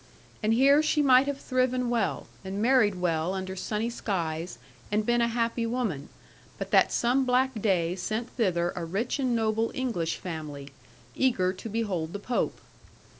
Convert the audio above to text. And here she might have thriven well, and married well under sunny skies, and been a happy woman, but that some black day sent thither a rich and noble English family, eager to behold the Pope.